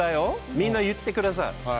みんないってください。